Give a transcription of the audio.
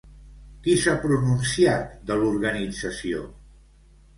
Qui s'ha pronunciat de l'organització?